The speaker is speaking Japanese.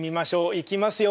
いきますよ。